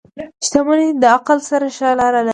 • شتمني د عقل سره ښه لاره لري.